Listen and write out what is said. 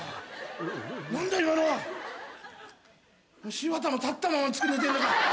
柴田も立ったまま寝てんのか。